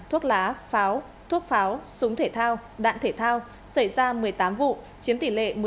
thuốc lá pháo thuốc pháo súng thể thao đạn thể thao xảy ra một mươi tám vụ chiếm tỷ lệ một mươi